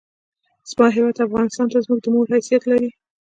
زما هېواد افغانستان مونږ ته د مور حیثیت لري!